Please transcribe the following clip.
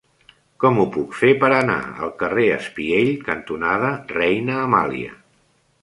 Com ho puc fer per anar al carrer Espiell cantonada Reina Amàlia?